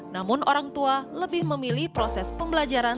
namun orang tua lebih memilih proses pembelajaran